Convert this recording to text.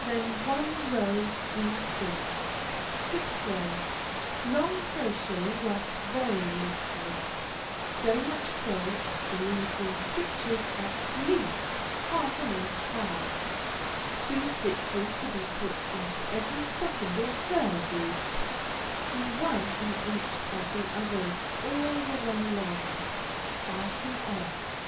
Then one row Dc. 6th row Long crochet worked very loosely, so much so as to leave these stitches at least half an inch high; two stitches to be put into every second or third loop and one in each of the others all the way along; fasten off.